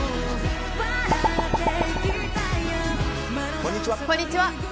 こんにちは。